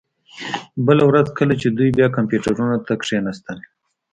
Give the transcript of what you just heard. بله ورځ کله چې دوی بیا کمپیوټرونو ته کښیناستل